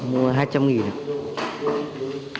mua hai trăm linh nghìn đồng